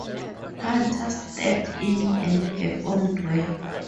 Hunter stepped in and performed well.